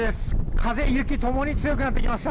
風、雪ともに強くなってきました。